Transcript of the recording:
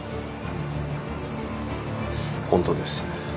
ホントです。